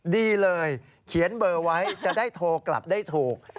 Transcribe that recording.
ดีเลยเขียนเบอร์ไว้จะได้โทรกลับได้ถูก